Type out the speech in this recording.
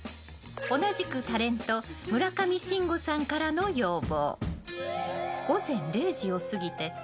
同じく、タレント村上信五さんからの要望。